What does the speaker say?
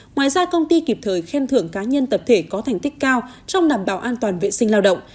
ngoài ra công ty kịp thời khen thưởng cá nhân tập thể có thành tích cao trong đảm bảo an toàn vệ sinh lao động